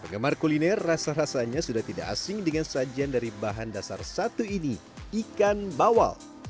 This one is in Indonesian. penggemar kuliner rasa rasanya sudah tidak asing dengan sajian dari bahan dasar satu ini ikan bawal